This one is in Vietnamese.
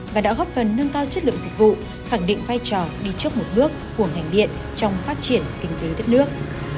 và đã góp phần nâng cao chất lượng dịch vụ khẳng định vai trò đi trước một bước của ngành điện trong phát triển kinh tế đất nước